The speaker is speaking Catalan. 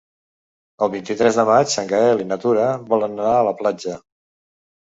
El vint-i-tres de maig en Gaël i na Tura volen anar a la platja.